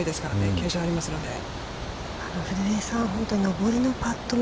傾斜がありますので。